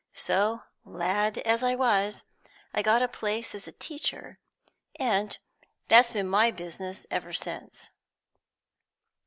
So, lad as I was, I got a place as a teacher, and that's been my business ever since."